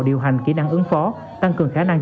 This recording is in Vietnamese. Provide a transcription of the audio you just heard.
điều hành kỹ năng ứng phó tăng cường khả năng